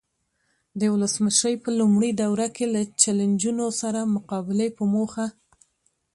د ولسمشرۍ په لومړۍ دوره کې له چلنجونو سره مقابلې په موخه.